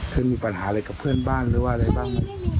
เคยมีปัญหาอะไรกับเพื่อนบ้านหรือว่าอะไรบ้าง